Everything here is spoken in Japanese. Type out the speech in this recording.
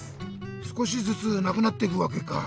すこしずつなくなっていくわけか。